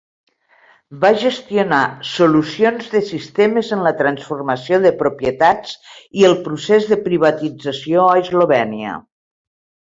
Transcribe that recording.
Va gestionar solucions de sistemes en la transformació de propietats i el procés de privatització a Eslovènia.